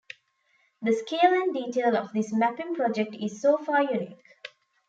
The scale and detail of this mapping project is so far unique.